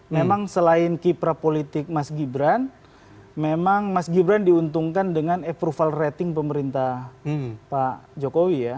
memang selain kipra politik mas gibran memang mas gibran diuntungkan dengan approval rating pemerintah pak jokowi ya